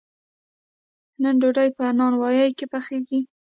نن ډوډۍ په نانواییو کې پخیږي.